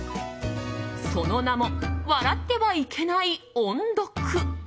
その名も、笑ってはいけない音読。